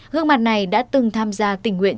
gương mặt này đã từng tham gia tình nguyện